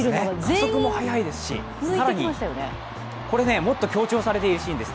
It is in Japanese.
加速も速いですし、これはもっと強調されているシーンです。